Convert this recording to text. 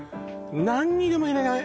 何にでも入れない？